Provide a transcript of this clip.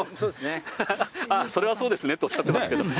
それはそうですねとおっしゃっていましたけれども。